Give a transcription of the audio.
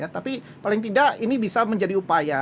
tapi paling tidak ini bisa menjadi upaya